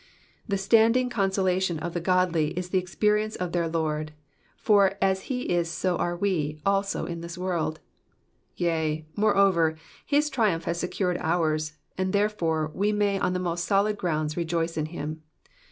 The standing consolation of the godly is the experience of their Lord, for as he is so are we also in this world ; yea, moreover, his triumph has secured ours, and therefore, we may on the most solid grounds rejoice in him.